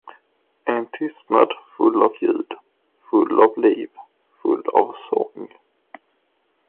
En tystnad full av ljud, full av liv, full av sång.